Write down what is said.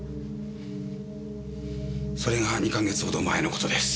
それが２か月ほど前の事です。